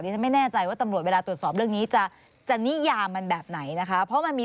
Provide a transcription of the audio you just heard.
ดิฉันไม่แน่ใจว่าตำรวจเวลาตรวจสอบเรื่องนี้จะนิยามมันแบบไหนนะคะ